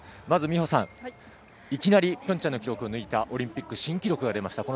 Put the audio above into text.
まず美帆さん、いきなりピョンチャンの記録を抜いたオリンピック新記録です。